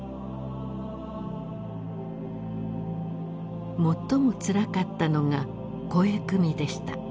最もつらかったのが肥汲みでした。